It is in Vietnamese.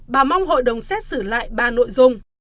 bà mong hội đồng xét xử lại ba nội dung